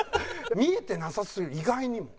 見えてなさすぎる意外にも。